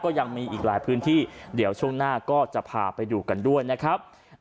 ยังมีอีกหลายพื้นที่เดี๋ยวช่วงหน้าก็จะพาไปดูกันด้วยนะครับ